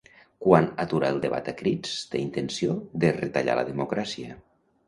Quan aturar el debat a crits té intenció de retallar la democràcia.